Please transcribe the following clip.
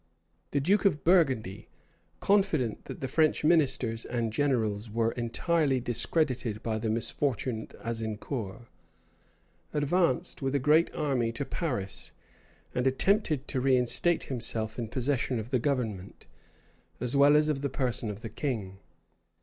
The duke of Burgundy, confident that the French ministers and generals were entirely discredited by the misfortune at Azincour, advanced with a great army to Paris, and attempted to reinstate himself in possession of the government, as well as of the person of the king.